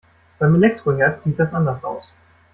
Beim Elektroherd sieht das anders aus.